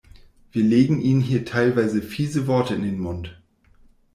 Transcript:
Wir legen Ihnen hier teilweise fiese Worte in den Mund.